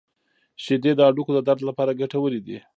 • شیدې د هډوکو د درد لپاره ګټورې دي.